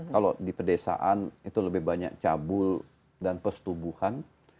kalau di pedesaan itu lebih banyak cabul dan pesutubuhan